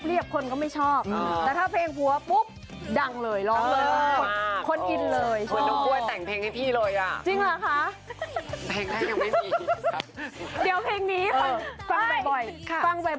พี่เริ่มโกรธหนูแล้วนะ